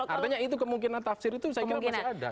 artinya itu kemungkinan tafsir itu saya kira masih ada